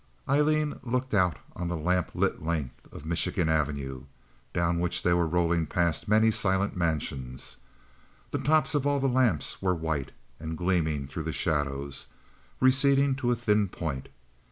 Aileen looked out on the lamp lit length of Michigan Avenue, down which they were rolling past many silent mansions. The tops of all the lamps were white, and gleamed through the shadows, receding to a thin point.